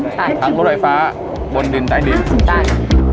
ใช่ทั้งรถไฟฟ้าบนดินใดดินครับใช่